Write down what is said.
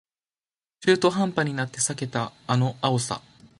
中途半端になって避けたあの青さ